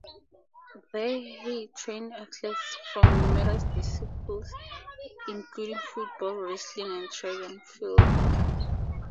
There he trained athletes from numerous disciplines including football, wrestling, and track and field.